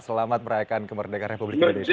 selamat merayakan kemerdekaan republik indonesia